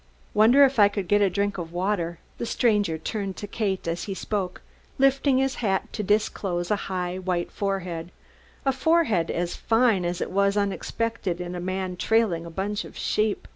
"Wonder if I could get a drink of water?" The stranger turned to Kate as he spoke, lifting his hat to disclose a high white forehead a forehead as fine as it was unexpected in a man trailing a bunch of sheep.